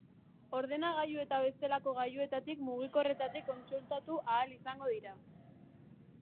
Ordenagailu eta bestelako gailuetatik mugikorretatik kontsultatu ahal izango dira.